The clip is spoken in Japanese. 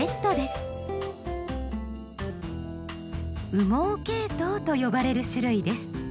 「羽毛ケイトウ」と呼ばれる種類です。